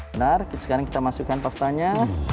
benar sekarang kita masukkan faktanya